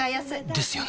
ですよね